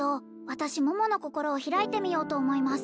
私桃の心を開いてみようと思います